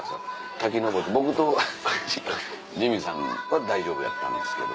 滝登り僕とジミーさんは大丈夫やったんですけど。